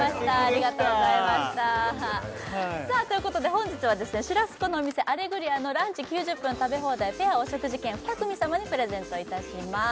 ありがとうございましたさあということで本日はシュラスコのお店アレグリアのランチ９０分食べ放題ペアお食事券２組様にプレゼントいたします